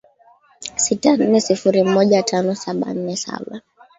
a sita nne sifuri moja tano saba nne saba